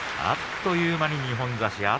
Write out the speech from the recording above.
あっという間に二本差し。